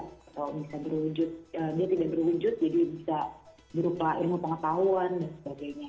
atau bisa berwujud dia tidak berwujud jadi bisa berupa ilmu pengetahuan dan sebagainya